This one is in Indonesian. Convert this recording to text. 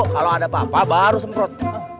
kalau ada apa apa baru semprot